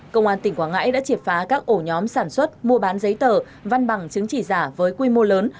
công an tỉnh quảng ngãi đã triệt phá các ổ nhóm sản xuất mua bán giấy tờ văn bằng chứng chỉ giả với quy mô lớn